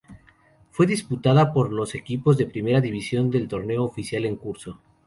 Fue disputada por los equipos de Primera División del torneo oficial en curso.